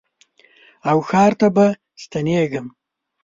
او ښار ته به ستنېږم